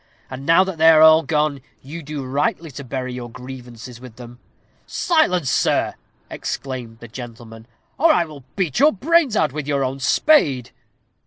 And, now that they are all gone, you do rightly to bury your grievances with them." "Silence, sirrah!" exclaimed the gentleman, "or I will beat your brains out with your own spade."